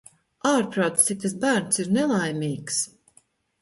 Ārprāts, cik tas bērns ir nelaimīgs!